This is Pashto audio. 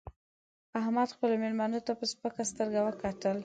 احمد خپلو مېلمنو ته په سپکه سترګه وکتل